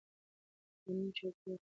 قانوني چوکاټ د نظم تضمین کوي.